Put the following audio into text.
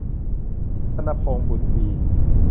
ธนพงษ์ บุตรดี